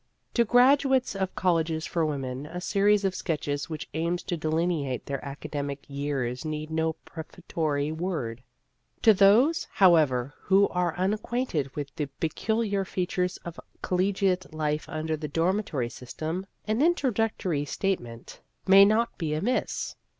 To graduates of colleges for women, a series of sketches which aims to delineate their academic years needs no prefatory word. To those, however, who are un acquainted with the peculiar features of collegiate life under the dormitory system, an introductory statement may not be iii 2072255 iv Preface amiss.